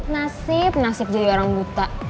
nasib nasib jadi orang buta